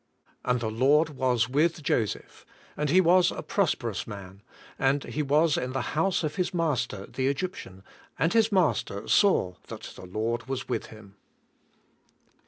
And the Lord was with Joseph, and he was a prosperotis juan; and he was in the house op his master, the Egyptian, and his master saw that the Lord was with him.